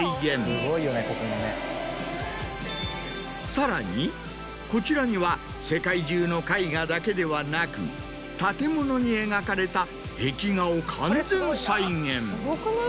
さらにこちらには世界中の絵画だけではなく建物に描かれた壁画を完全再現。